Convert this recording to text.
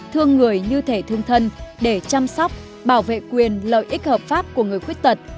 thương người như thể thương thân để chăm sóc bảo vệ quyền lợi ích hợp pháp của người khuyết tật